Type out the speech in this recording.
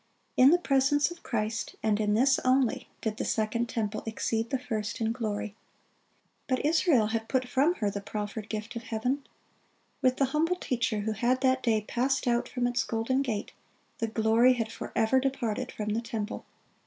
In the presence of Christ, and in this only, did the second temple exceed the first in glory. But Israel had put from her the proffered Gift of heaven. With the humble Teacher who had that day passed out from its golden gate, the glory had forever departed from the temple.